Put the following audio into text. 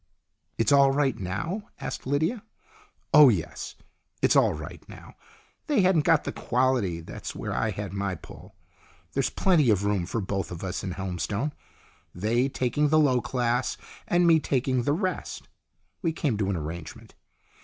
" It's all right now?" asked Lydia. " Oh, yes. It's all right now. They hadn't got the quality that's where I had my pull. There's plenty of room for both of us in Helmstone, they taking the low class, and me taking the rest. We came to an arrangement.